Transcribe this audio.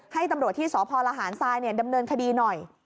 ให้ตำรวจที่สพลหารทรายดำเนินคดีหน่อย